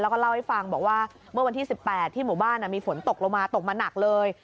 แล้วก็เล่าให้ฟังบอกว่าเมื่อวันที่๑๘ที่หมู่บ้านมีฝนตกลงมาตกมาหนักเลย